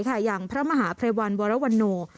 ค่ะอย่างพระมหาแพรวัณวรวนโน